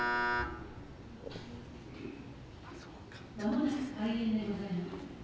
「間もなく開演でございます。